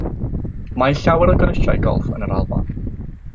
Mae llawer o gyrsiau golff yn yr Alban.